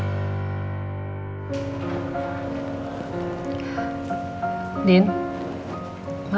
aku harus cari tahu soalnya